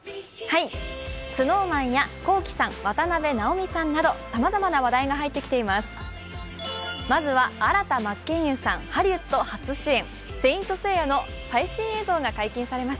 ＳｎｏｗＭａｎやＫｏｋｉ，さん渡辺直美さんなどさまざまな話題が入ってきています。